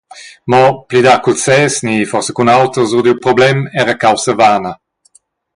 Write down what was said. Mo plidar culs ses ni forsa cun auters sur dil problem era caussa vana.